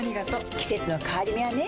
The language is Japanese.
季節の変わり目はねうん。